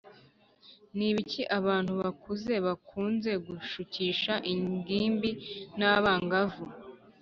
Ni ibiki abantu bakuze bakunze gushukisha ingimbi n’abangavu